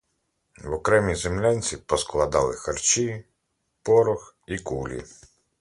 В окремій землянці поскладали харчі, порох і кулі.